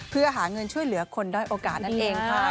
เพื่อหาเงินช่วยเหลือคนด้อยโอกาสนั่นเองค่ะ